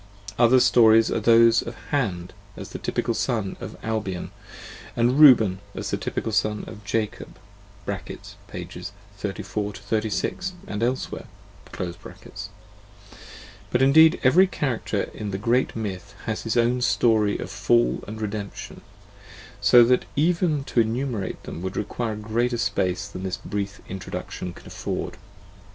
Other stories are those of Hand as the typical Son of Albion, aud Reuben as the typical Son of Jacob (pp. 34 36 and elsewhere): but indeed every character in the great myth has its own story of fall and redemption, so that even to enumerate them would require a greater space than this brief Introduction can afford.